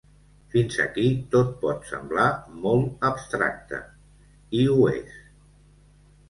Fins aquí tot pot semblar molt abstracte; i ho és.